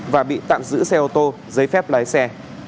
và bị tạm giữ xe ô tô giấy phép lái xe